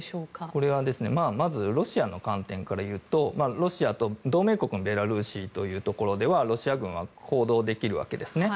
これはまず、ロシアの観点からいうとロシアと同盟国のベラルーシというところではロシア軍は行動できるわけですね。